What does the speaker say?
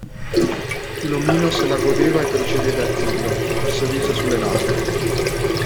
L'omino se la godeva e procedeva arzillo, col sorriso sulle labbra.